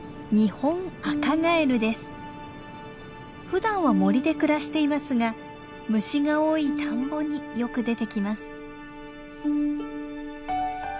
ふだんは森で暮らしていますが虫が多い田んぼによく出てきます。